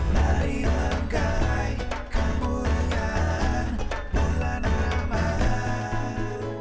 marilah kemuliaan kemuliaan bulan ramadhan